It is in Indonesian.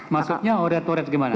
maksudnya orat oret gimana